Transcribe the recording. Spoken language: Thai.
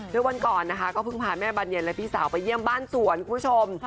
โดยวันก่อนนะคะก็เพิ่งพาแม่บานเย็นและพี่สาวไปเยี่ยมบ้านสวนคุณผู้ชม